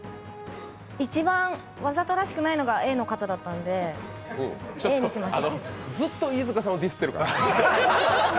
一番わざとらしくないのがＡの方だったんで、ずっと飯塚さんをディスってるから。